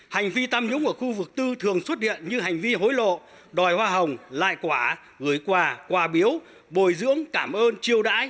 hành vi tham nhũng ở khu vực tư thường xuất hiện như hành vi hối lộ đòi hoa hồng lại quả gửi quà biếu bồi dưỡng cảm ơn chiêu đãi